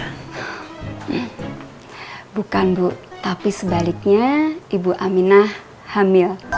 bukan bu tapi sebaliknya ibu aminah hamil